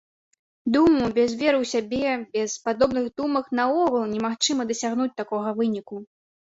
Думаю, без веры ў сябе, без падобных думак наогул немагчыма дасягнуць такога выніку.